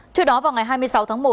trước đó vào ngày hai mươi sáu tháng một